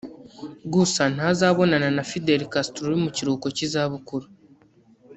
gusa ntazabonana na Fidel Castro uri mu kiruhuko cy’izabukuru